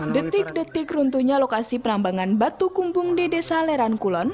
detik detik runtuhnya lokasi penambangan batu kumpung di desa leran kulon